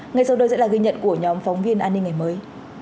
ngay sau đây sẽ là ghi nhận của nhóm phóng viên an ninh ngày mới